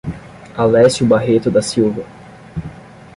Alecio Barreto da Silva